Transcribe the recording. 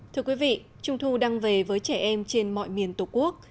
thưa quý vị trung thu đang về với trẻ em trên mọi miền tổ quốc